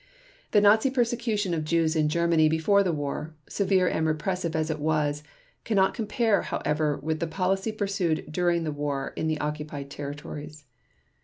The Nazi persecution of Jews in Germany before the war, severe and repressive as it was, cannot compare, however, with the policy pursued during the war in the occupied territories.